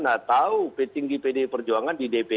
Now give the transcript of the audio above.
nah tahu petinggi pdi perjuangan di dpd